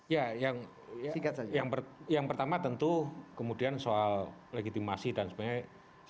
ya yang pertama tentu kemudian soal legitimasi dan sebagainya